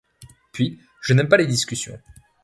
Puis, je n'aime pas les discussions.